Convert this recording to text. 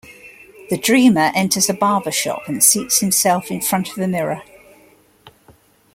The dreamer enters a barber shop and seats himself in front of a mirror.